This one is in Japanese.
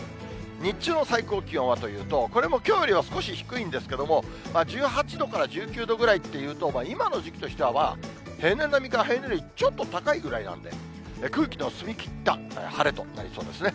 日中の最高気温はというと、これもきょうよりは少し低いんですけれども、１８度から１９度ぐらいっていうと、今の時期としては、まあ平年並みか、平年よりちょっと高いぐらいなんで、空気の澄みきった晴れとなりそうですね。